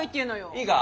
いいか。